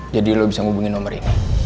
jadi lo bisa hubungi nomer ini